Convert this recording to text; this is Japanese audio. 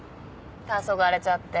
たそがれちゃって。